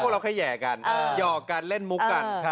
เราแค่แห่กันหยอกกันเล่นมุกกัน